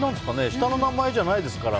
下の名前じゃないですから。